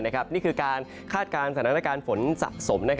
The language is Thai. นี่คือการคาดการณ์สถานการณ์ฝนสะสม